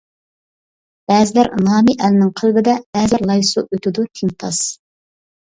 بەزىلەر نامى ئەلنىڭ قەلبىدە، بەزىلەر لاي سۇ ئۆتىدۇ تىمتاس.